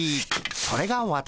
それが私。